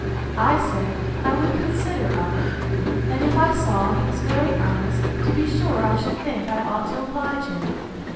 I said, I would consider of it; and if I saw he was very earnest, to be sure I should think I ought to oblige him.